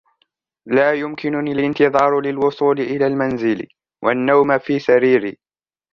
لا يمكنني الانتظار للوصول الى المنزل والنوم في سريري.